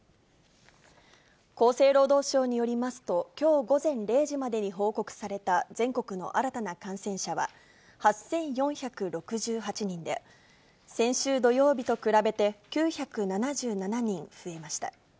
厚生労働省によりますと、きょう午前０時までに報告された全国の新たな感染者は８４６８人で、先週土曜日と比べて、９７７人増えました。